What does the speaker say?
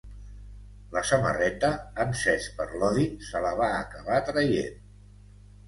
La samarreta, encès per l’odi, se la va acabar traient.